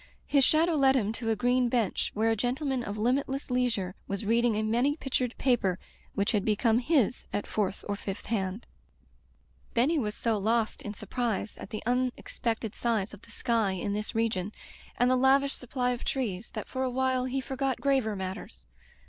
His shadow led him to a green bench where a gentleman of limitless leisure was reading a many pictured paper which had become his at fourth or fifth hand. Benny was so lost in surprise at the un expected size of the sky in this region, and the lavish supply of trees, that for awhile he forgot graver matters.